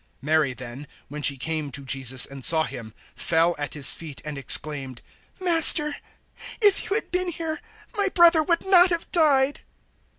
011:032 Mary then, when she came to Jesus and saw Him, fell at His feet and exclaimed, "Master, if you had been here, my brother would not have died."